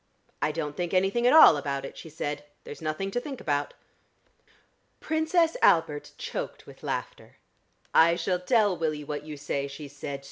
"I don't think anything at all about it," she said. "There's nothing to think about." Princess Albert choked with laughter. "I shall tell Willie what you say," she said.